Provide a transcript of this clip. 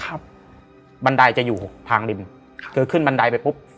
บันไดจะอยู่ทางริมครับคือขึ้นบันไดไปปุ๊บ